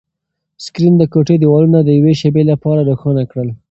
سکرین د کوټې دیوالونه د یوې شېبې لپاره روښانه کړل.